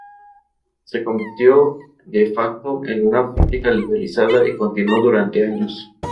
Se convirtió de facto en una práctica legalizada y continuó durante años.